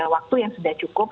waktu yang sudah cukup